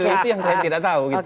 itu yang saya tidak tahu